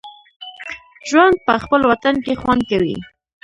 ژوند په خپل وطن کې خوند کوي